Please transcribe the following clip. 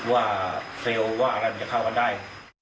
ว่าเซลล์ว่าอะไรมันจะเข้ากันได้